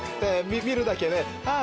見るだけでああ